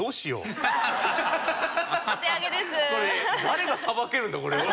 誰がさばけるんだこれを。